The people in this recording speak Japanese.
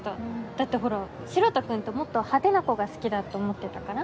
だってほら城田君ってもっと派手な子が好きだと思ってたから。